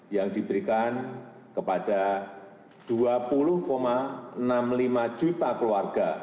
yang diberikan kepada dua puluh enam puluh lima juta keluarga